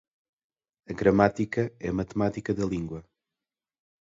A gramática é a matemática da língua